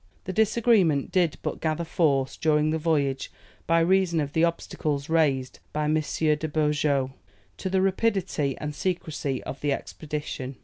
The disagreement did but gather force during the voyage by reason of the obstacles raised by M. de Beaujeu to the rapidity and secrecy of the expedition.